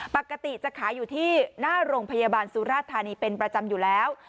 ปกติจะขายอยู่ที่หน้าโรงพยาบาลสุราธานีเป็นประจำอยู่แล้ว